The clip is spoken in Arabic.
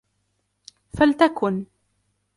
فلتكن